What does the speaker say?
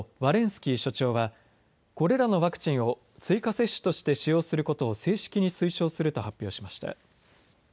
スキー所長はこれらのワクチンを追加接種として使用することを正式に推奨すると発表しました。